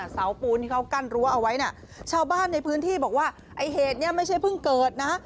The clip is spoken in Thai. เสาปูนที่เขากั้นรั้วเอาไว้เนี่ยชาวบ้านในพื้นที่บอกว่าไอ้เหตุนี้ไม่ใช่เพิ่งเกิดนะ